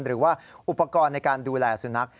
หรือว่าอุปกรณ์ในการดูแลสุนัข